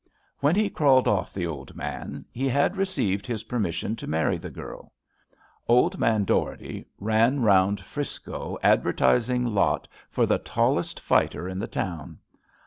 When he crawled off the old man he had received his permission to marry the girl. Old man Dougherty ran round Trisco ad vertising Lot for the tallest fighter in the town.